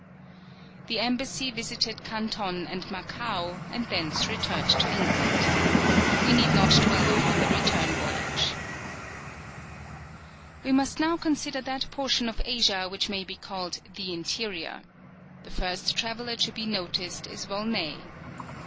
The embassy visited Canton and Macao, and thence returned to England. We need not dwell upon the return voyage. We must now consider that portion of Asia which may be called the interior. The first traveller to be noticed is Volney.